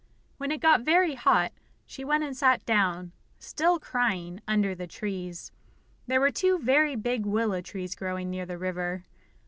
When it got very hot, she went and sat down, still crying, under the trees. There were two very big willow trees growing near the river.